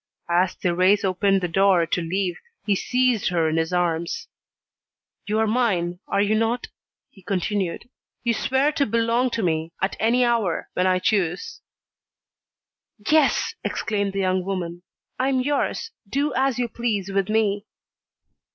As Thérèse opened the door to leave, he seized her in his arms. "You are mine, are you not?" he continued. "You swear to belong to me, at any hour, when I choose." "Yes!" exclaimed the young woman. "I am yours, do as you please with me."